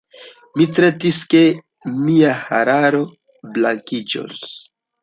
Mi certis ke mia hararo blankiĝos.